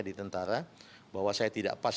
di tentara bahwa saya tidak pas